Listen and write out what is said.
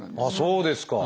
そうですか。